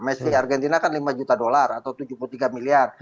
mesti argentina kan lima juta dolar atau tujuh puluh tiga miliar